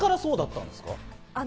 昔からそうだったんですか？